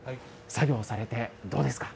作業されて、どうですか。